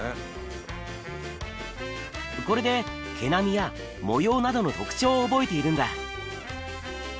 これで毛並みや模様などの特徴を覚えているんだ